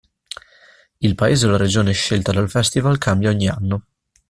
Il paese o la regione scelta dal Festival cambia ogni anno.